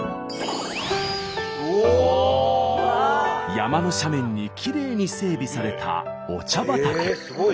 山の斜面にきれいに整備されたお茶畑。